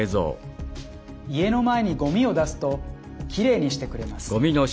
家の前にごみを出すときれいにしてくれます。